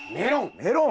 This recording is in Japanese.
メロン！